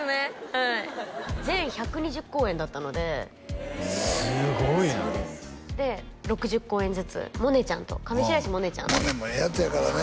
はい全１２０公演だったのですごいなで６０公演ずつ萌音ちゃんと上白石萌音ちゃんと萌音もええヤツやからね